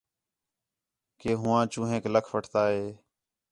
کہ ہوآں چوہینک لَکھ وٹھتا ہِے